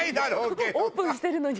オープンしてるのに。